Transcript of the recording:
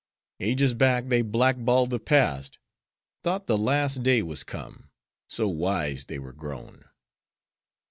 Ages back they black balled the past, thought the last day was come; so wise they were grown.